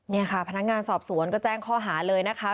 นี่ค่ะพนักงานสอบสวนก็แจ้งข้อหาเลยนะคะ